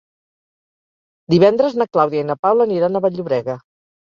Divendres na Clàudia i na Paula aniran a Vall-llobrega.